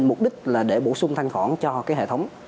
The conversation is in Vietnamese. mục đích là để bổ sung thanh khoản cho cái hệ thống